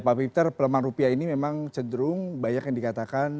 pak peter pelemahan rupiah ini memang cenderung banyak yang dikatakan